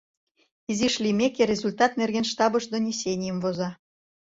Изиш лиймеке, результат нерген штабыш донесенийым воза.